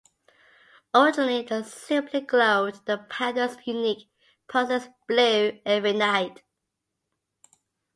Originally, they simply glowed the Panthers' unique 'process blue' every night.